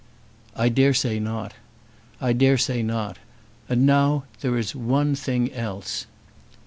"I dare say not. I dare say not. And now there is one thing else."